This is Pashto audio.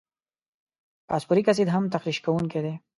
فاسفوریک اسید هم تخریش کوونکي دي.